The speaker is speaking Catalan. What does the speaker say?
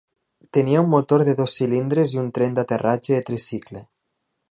Tenia un motor de dos cilindres i un tren d'aterratge de tricicle.